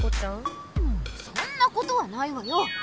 そんなことはないわよ。